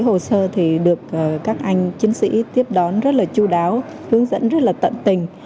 hồ sơ thì được các anh chiến sĩ tiếp đón rất là chú đáo hướng dẫn rất là tận tình